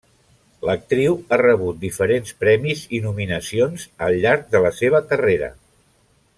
L'actriu ha rebut diferents premis i nominacions al llarg de la seva carrera.